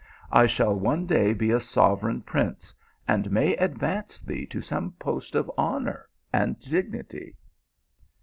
I shall one day be a sovereign prince, and may advance thee to some post of hon our and dignity."